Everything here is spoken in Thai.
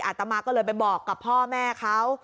อาตมาก็เลยไปบอกกับพ่อแม่เขา